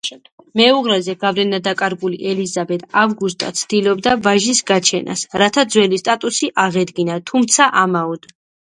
მეუღლეზე გავლენადაკარგული ელიზაბეთ ავგუსტა ცდილობდა ვაჟის გაჩენას, რათა ძველი სტატუსი აღედგინა, თუმცა ამაოდ.